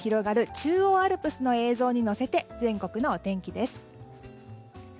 中央アルプスの景色にのせて全国のお天気です。